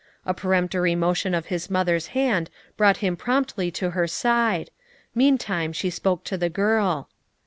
A peremptory motion of Ms mother's hand brought him promptly to her side; meantime, she spoke to the girl.